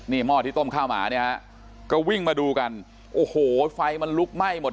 นี่หม้อที่ต้มข้าวหมาเนี่ยฮะก็วิ่งมาดูกันโอ้โหไฟมันลุกไหม้หมด